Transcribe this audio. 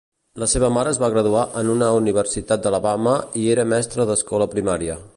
La seva mare es va graduar en una universitat d'Alabama i era mestra d'escola primària.